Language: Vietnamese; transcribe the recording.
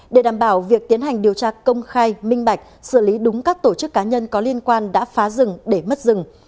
để đảm bảo việc tiến hành điều tra công khai minh bạch xử lý đúng các tổ chức cá nhân có liên quan đã phá rừng để mất rừng